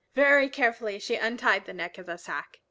Very carefully she untied the neck of the sack.